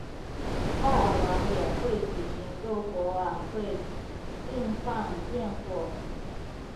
爱尔兰也会举行篝火晚会并放焰火。